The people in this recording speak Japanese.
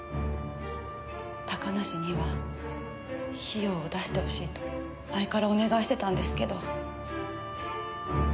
高梨には費用を出してほしいと前からお願いしてたんですけど。